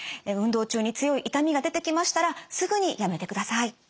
運動中に強い痛みが出てきましたらすぐにやめてください。